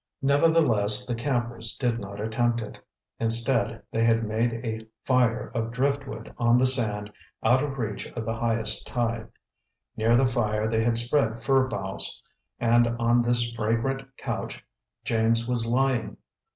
Nevertheless, the campers did not attempt it. Instead, they had made a fire of driftwood on the sand out of reach of the highest tide. Near the fire they had spread fir boughs, and on this fragrant couch James was lying.